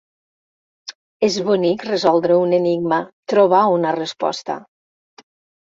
És bonic resoldre un enigma, trobar una resposta.